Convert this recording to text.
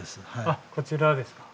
あっこちらですか？